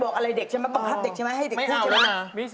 บอกอะไรเด็กใช่ไหมบอกครับเด็กใช่ไหมให้เด็กคู่ใช่ไหมไม่เอาแล้วนะ